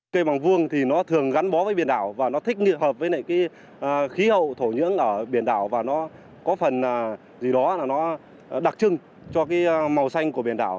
cây bằng vuông thì nó thường gắn bó với biển đảo và nó thích nghi hợp với cái khí hậu thổ nhưỡng ở biển đảo và nó có phần gì đó là nó đặc trưng cho cái màu xanh của biển đảo